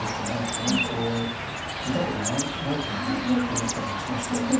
たまにこう見たことない手がね飛んできたりもしますけどね。